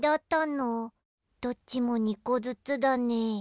どっちも２こずつだね。